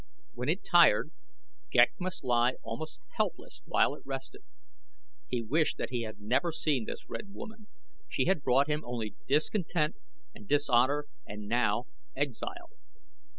When it tired, Ghek must lie almost helpless while it rested. He wished that he had never seen this red woman. She had brought him only discontent and dishonor and now exile.